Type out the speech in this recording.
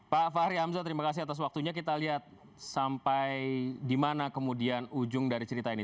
pak fahri hamzah terima kasih atas waktunya kita lihat sampai di mana kemudian ujung dari cerita ini